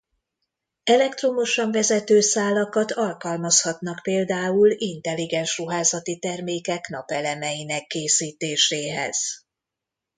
Elektromosan vezető szálakat alkalmazhatnak például intelligens ruházati termékek napelemeinek készítéséhez.